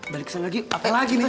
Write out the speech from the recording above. balik kesana lagi apa lagi nih